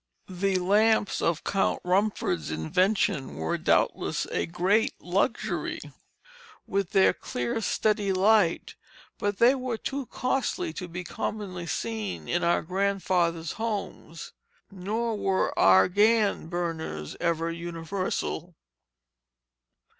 The lamps of Count Rumford's invention were doubtless a great luxury, with their clear steady light; but they were too costly to be commonly seen in our grandfathers' homes. Nor were Argand burners ever universal.